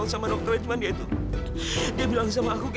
mama kau ada masalah cerita dong sama aku ma